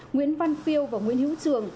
nguyễn văn phiêu và nguyễn hữu trường